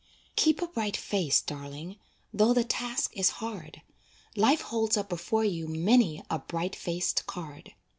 Keep a bright face, darling, Though the task is hard, Life holds up before you Many a bright faced card.